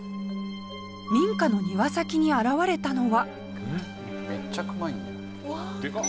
民家の庭先に現れたのは